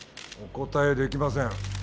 お答えできません。